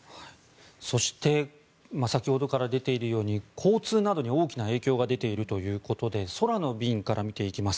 そして先ほどから出ているように交通などに大きな影響が出ているということで空の便から見ていきます。